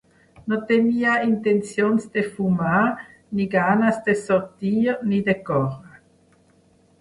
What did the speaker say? No tenia intencions de fumar, ni ganes de sortir, ni de córrer